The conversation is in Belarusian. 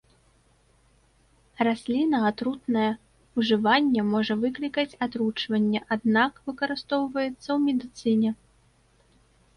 Расліна атрутная, ужыванне можа выклікаць атручванне, аднак, выкарыстоўваецца ў медыцыне.